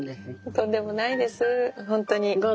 とんでもないですホントに。